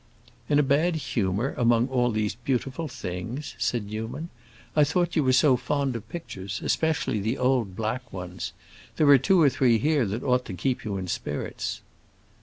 "In a bad humor among all these beautiful things?" said Newman. "I thought you were so fond of pictures, especially the old black ones. There are two or three here that ought to keep you in spirits."